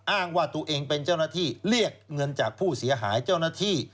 อ้างว่าตัวเองเป็นเจ้าหน้าที่เรียกเงินจากผู้เสียหายเจ้าหน้าที่